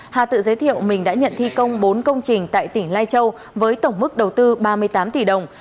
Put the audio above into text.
hà tự giới thiệu mình đã nhận thi công bốn công trình tại tỉnh lai châu với tổng mức đầu tư ba mươi tám tỷ đồng